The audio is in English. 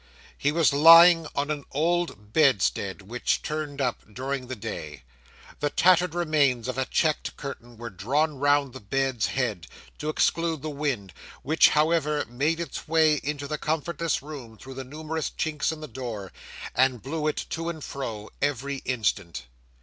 'He was lying on an old bedstead, which turned up during the day. The tattered remains of a checked curtain were drawn round the bed's head, to exclude the wind, which, however, made its way into the comfortless room through the numerous chinks in the door, and blew it to and fro every instant.